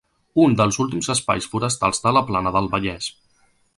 Un dels últims espais forestals de la plana del Vallès.